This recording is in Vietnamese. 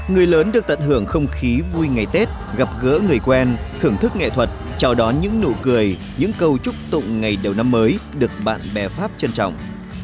người lớn được tận hưởng không khí vui ngày tết gặp gỡ người quen thưởng thức nghệ thuật chào đón những nụ cười những câu chúc tụng ngày đầu năm mới được bạn bè pháp trân trọng